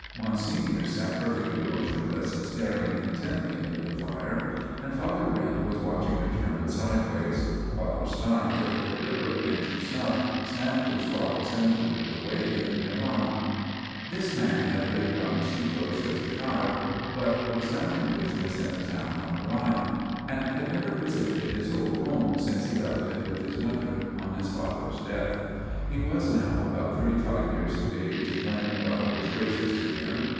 Monsignor sat perfectly motionless staring intently into the fire ; and Father Brent was watching the German sideways ; Father Stein took a deliberate pinch of snuff, snapped his box, and put it away, and went on. " This man had lived on the sea coast as a child, but was now in business in a town on the Rhine ; and had never visited his old home since he left it with his mother on his father's death. He was now about thirty five years of age, when God was gracious to him.